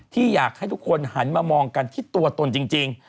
อยากให้ทุกคนหันมามองกันที่ตัวตนจริง